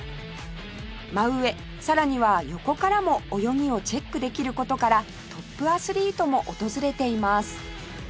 真上さらには横からも泳ぎをチェックできる事からトップアスリートも訪れています